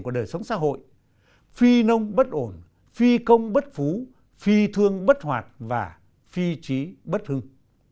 của đời sống xã hội phi nông bất ổn phi công bất phú phi thương bất hoạt và phi trí bất hưng